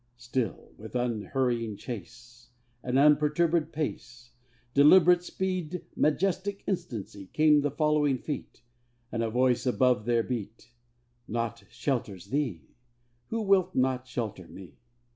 Still with unhurrying chase, And unperturbèd pace, Deliberate speed, majestic instancy, Came on the following Feet, And a Voice above their beat "Naught shelters thee, who wilt not shelter Me."